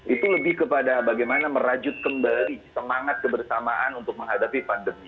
itu lebih kepada bagaimana merajut kembali semangat kebersamaan untuk menghadapi pandemi